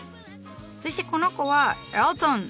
そしてこの子はエルトン！